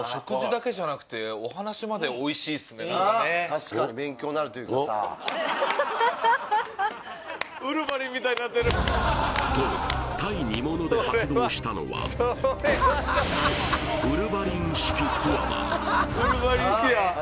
確かに勉強になるというかさと対煮物で発動したのはクワマンなあ